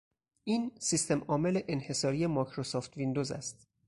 این، سیستمعامل انحصاری مایکروسافت ویندوز است